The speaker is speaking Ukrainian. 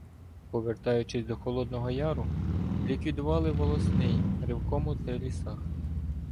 Повертаючись до Холодного Яру, ліквідували волосний ревком у Трилі- сах.